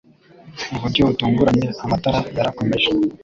Mu buryo butunguranye, amatara yarakomeje.